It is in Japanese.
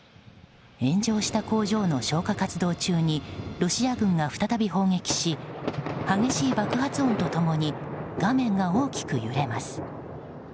炎上した工場の消火活動中にロシア軍が再び砲撃し激しい爆発音と共に画面が大きく揺れます。